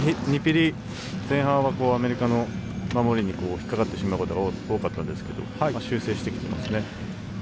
２ピリ前半はアメリカの守りに引っ掛かってしまうことが多かったんですけど修正してきていますね。